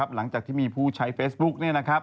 หลังจากที่มีผู้ใช้เฟซบุ๊ก